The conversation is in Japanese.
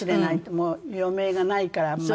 もう余命がないからあんまり。